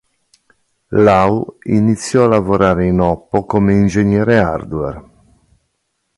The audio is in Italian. Lau iniziò a lavorare in Oppo come ingegnere hardware.